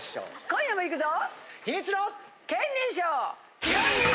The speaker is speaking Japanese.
今夜もいくぞ！